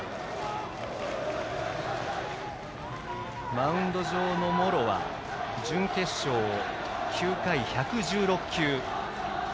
マウンド上の茂呂は準決勝を９回１１６球。